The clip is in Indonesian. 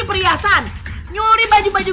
perhiasan nyuri baju baju